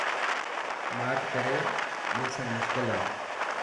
ماٺ ڪري ٻيسڻ مشڪل هي.